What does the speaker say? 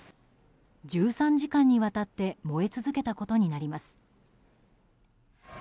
１３時間にわたって燃え続けたことになります。